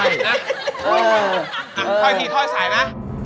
อ่ะถอยทีถอยสายนะ